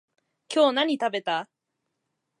今日何食べた？